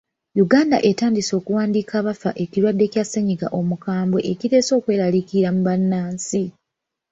Uganda etandise okuwandiika abafa ekirwadde kya ssennyiga omukambwe ekireese ekweraliikirira mu bannansi.